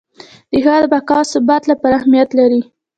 د هیواد بقا او ثبات لپاره اهمیت لري.